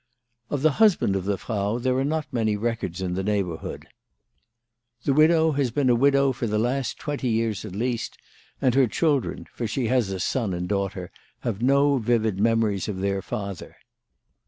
Of the husband of the Frau there are not many records in the neighbourhood. The widow has been a widow for the last twenty years at least, and her children, for she has a son and daughter, have no vivid memories of their father.